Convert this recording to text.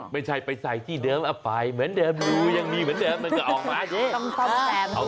ไม่ใช่ไปใส่ที่เดิมเอาไปเหมือนเดิมรูยังมีเหมือนเดิมมันก็ออกมาดี